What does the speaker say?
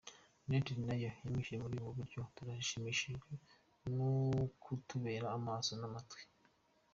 United nayo yamwishuye muri ubu buryo: "Turashimishijwe n'ukutubera amaso n'amatwi.